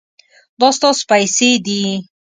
دا ستاسو پیسې دي